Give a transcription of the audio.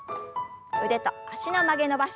腕と脚の曲げ伸ばし。